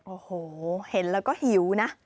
โอ้โหเห็นแล้วก็หิวนะ